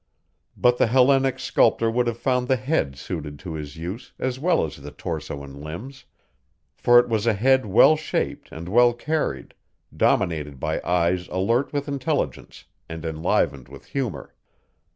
But the Hellenic sculptor would have found the head suited to his use as well as the torso and limbs, for it was a head well shaped and well carried, dominated by eyes alert with intelligence, and enlivened with humor.